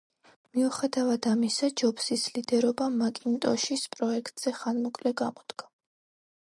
მიუხედავად ამისა ჯობსის ლიდერობა მაკინტოშის პროექტზე ხანმოკლე გამოდგა.